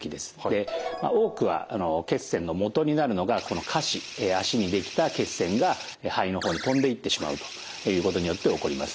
多くは血栓の元になるのがこの下肢脚にできた血栓が肺の方に飛んでいってしまうということによって起こります。